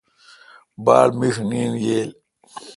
باڑ مݭ نیند ییل۔